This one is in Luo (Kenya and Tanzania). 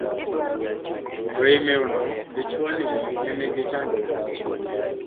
to ei mew no, dichuo ni ne nigi chandruok e chunye